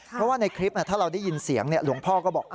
เพราะว่าในคลิปถ้าเราได้ยินเสียงหลวงพ่อก็บอก